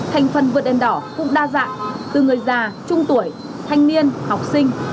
thành phần vượt đèn đỏ cũng đa dạng từ người già trung tuổi thanh niên học sinh